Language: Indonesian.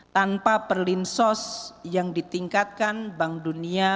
tanpa perlinsos yang ditingkatkan bank dunia